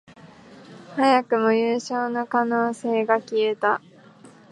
早くも優勝の可能性が消えた